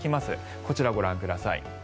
こちら、ご覧ください。